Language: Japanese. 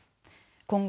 今後、